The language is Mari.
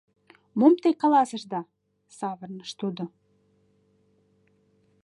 — «Мом те каласышда?» — савырныш тудо.